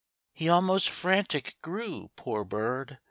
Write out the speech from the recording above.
He almost frantic grew, poor bird!